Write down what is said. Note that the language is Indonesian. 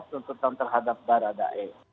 tuntutan terhadap barat dae